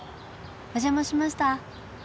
お邪魔しました。